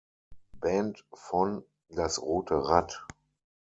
Band von „Das rote Rad“.